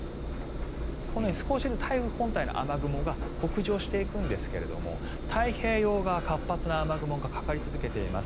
このように少しずつ台風本体の雨雲が北上していくんですが太平洋側、活発な雨雲がかかり続けています。